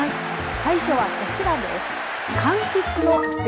最初はこちらです。